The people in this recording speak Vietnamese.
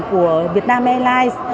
của việt nam airlines